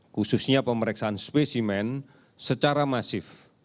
khususnya pemeriksaan spesimen secara masif